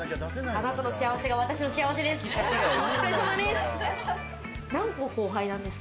あなたの幸せが私の幸せです。